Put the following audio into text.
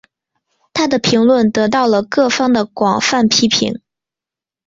她的评论得到了各方的广泛批评。